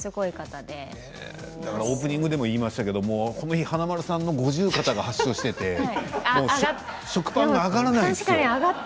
オープニングでも言いましたけどここで華丸さんの五十肩が発症していて食パンが上がらないのよ。